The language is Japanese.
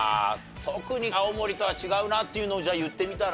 特に青森とは違うなっていうのを言ってみたら？